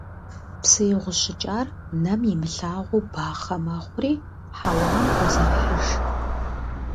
Псы игъущыкӀар нэм имылъагъу бахъэ мэхъури хьэуам хозэрыхьыж.